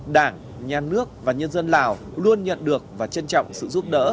đảng nhà nước và nhân dân lào luôn nhận được và trân trọng sự giúp đỡ